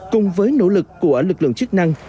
cùng với nỗ lực của lực lượng chức năng